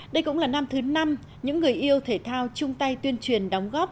đây cũng là năm thứ năm những người yêu thể thao chung tay tuyên truyền đóng góp